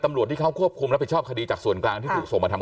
ตำรวจที่เขาควบคุมรับผิดชอบคดีจากส่วนกลางที่ถูกส่งมาทำ